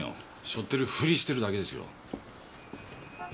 背負ってるふりしてるだけですよ！